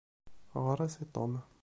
Ɣṛan-as i Tom.